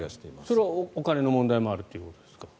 それはお金の問題もあるということですか。